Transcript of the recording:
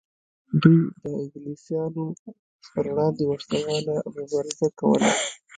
دوی د انګلیسانو پر وړاندې وسله واله مبارزه کوله.